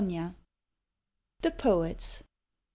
118 THE POETS.